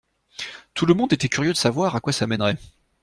Tout le monde était curieux de savoir à quoi ça mènerait.